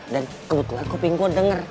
dan kebetulan kopi gue denger